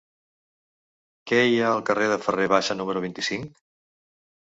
Què hi ha al carrer de Ferrer Bassa número vint-i-cinc?